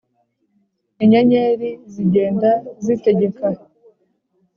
inyenyeri zigenda zitegeka.